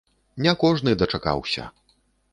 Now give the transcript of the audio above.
Ня кожны дачакаўся.